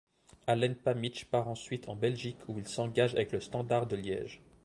Alen Pamić part ensuite en Belgique où il s'engage avec le Standard de Liège.